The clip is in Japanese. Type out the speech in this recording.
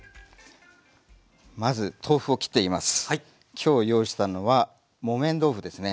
今日用意したのは木綿豆腐ですね。